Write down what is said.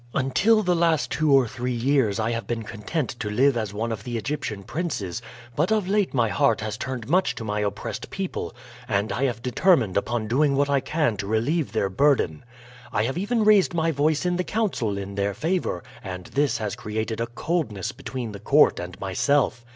"Until the last two or three years I have been content to live as one of the Egyptian princes; but of late my heart has turned much to my oppressed people, and I have determined upon doing what I can to relieve their burden. I have even raised my voice in the council in their favor, and this has created a coldness between the court and myself.